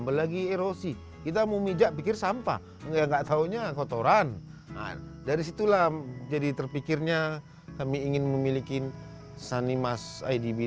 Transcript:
berarti bapak sama warga mau ajak ribut sama kami